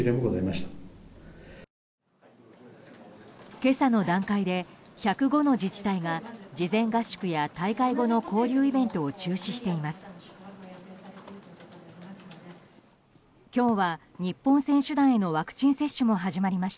今朝の段階で１０５の自治体が事前合宿や大会後の交流イベントを中止しています。